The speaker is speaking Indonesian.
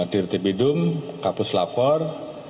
dir tipi dum kapus lafor